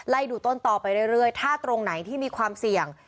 ดูต้นต่อไปเรื่อยถ้าตรงไหนที่มีความเสี่ยง